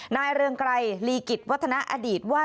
นายเรียงไกลลีกิจวัฒนาอดีตว่า